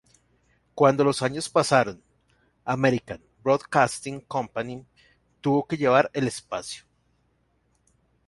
Cuando los años pasaron, American Broadcasting Company tubo que llevar el espacio.